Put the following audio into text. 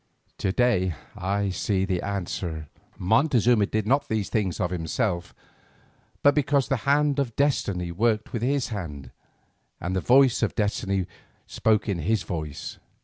To day I see the answer. Montezuma did not these things of himself, but because the hand of destiny worked with his hand, and the voice of destiny spoke in his voice.